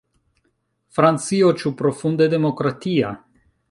Francio, ĉu profunde demokratia?